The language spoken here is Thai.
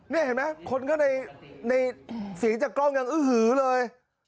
นี่เห็นไหมคนเข้าในสีจากกล้องยังอึ๋อหือเลย